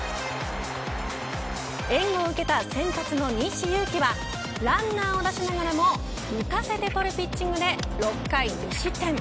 援護を受けた先発の西勇輝はランナーを出しながらも打たせて取るピッチングで６回２失点。